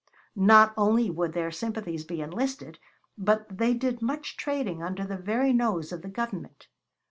Not only would their sympathies be enlisted, but they did much trading under the very nose of the government.